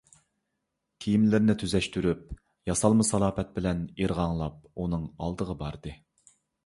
كىيىملىرىنى تۈزەشتۈرۈپ، ياسالما سالاپەت بىلەن ئىرغاڭلاپ ئۇنىڭ ئالدىغا باردى.